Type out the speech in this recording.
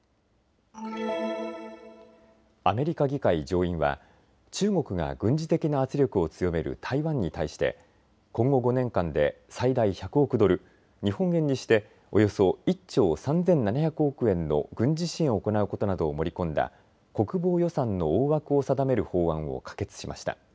アメリカ議会上院は中国が軍事的な圧力を強める台湾に対して今後５年間で最大１００億ドル、日本円にしておよそ１兆３７００億円の軍事支援を行うことなどを盛り込んだ国防予算の大枠を定める法案を可決しました。